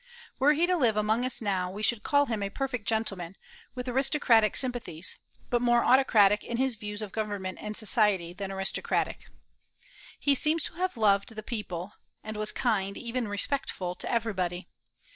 Were he to live among us now, we should call him a perfect gentleman, with aristocratic sympathies, but more autocratic in his views of government and society than aristocratic. He seems to have loved the people, and was kind, even respectful, to everybody.